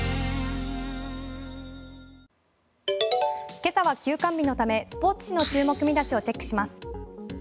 今朝は休刊日のためスポーツ紙の注目見出しをチェックします。